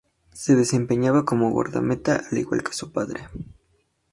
Se desempeñaba como guardameta al igual que su padre.